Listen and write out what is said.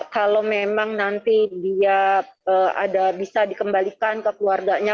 kalau memang nanti dia ada bisa dikembalikan ke keluarganya